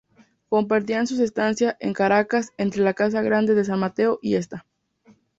Compartían su estancia en Caracas entre la Casa Grande de San Mateo y esta.